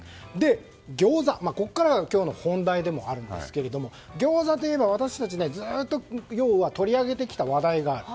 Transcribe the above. ここからが今日の本題でもあるんですが餃子といえば私たち要は取り上げてきた話題がある。